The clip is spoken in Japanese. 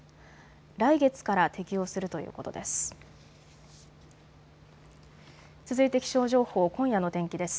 来月から適用するということです。